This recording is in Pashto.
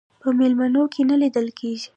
په میلمنو کې نه لیدل کېږي.